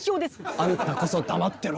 あんたこそ黙ってろ！